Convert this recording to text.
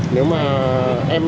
nếu mà em